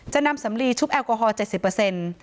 จะนำสำลีชุบแอลกอฮอล์๗๐เปอร์เซ็นต์